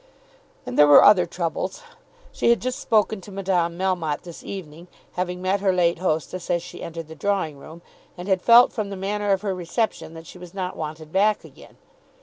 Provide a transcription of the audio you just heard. And there were other troubles. She had just spoken to Madame Melmotte this evening, having met her late hostess as she entered the drawing room, and had felt from the manner of her reception that she was not wanted back again.